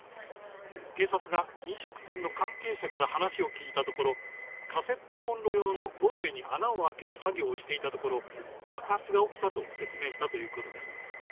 警察が飲食店の関係者から話を聞いたところ、カセットコンロ用のボンベに穴を開ける作業をしていたところ、爆発が起きたと説明したということです。